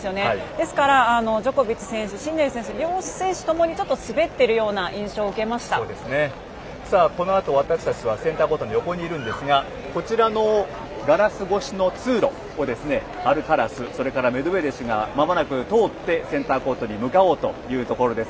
ですから、ジョコビッチ選手シンネル選手、両選手ともに滑っているような印象をこのあと私たちはセンターコートの横にいるんですがこちらのガラス越しの通路をアルカラスそれからメドベージェフがまもなく通ってセンターコートに向かおうというところです。